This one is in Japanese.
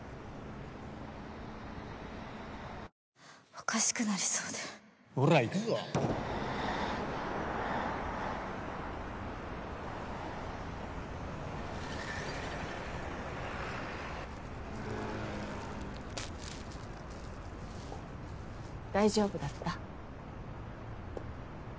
おかしくなりそうでほら行くぞ大丈夫だった？